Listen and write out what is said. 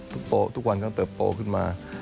ทุกวันสงบต้นไม้เขาต้องเติบโตขึ้นมา